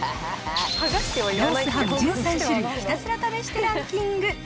ロースハム１３種類、ひたすら試してランキング。